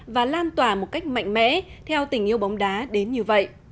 và lan tỏa một cách mạnh mẽ theo tình yêu bóng đá đến như vậy